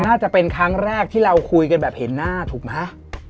น่าจะเป็นครั้งแรกที่เราคุยกันแบบเห็นหน้าถูกไหม